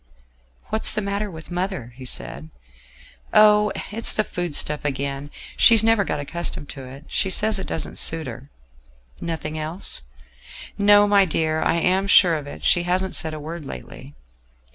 "What's the matter with mother?" he said. "Oh! it's the food stuff again: she's never got accustomed to it; she says it doesn't suit her." "Nothing else?" "No, my dear, I am sure of it. She hasn't said a word lately."